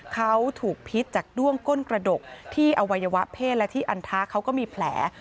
เขาถูกพิษจากด้วงก้นกระดกที่อวัยวะเพศและที่อันทะเขาก็มีแผล